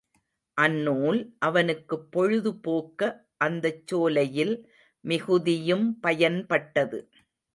அந்நூல் அவனுக்குப் பொழுது போக்க அந்தச் சோலையில் மிகுதியும் பயன்பட்டது.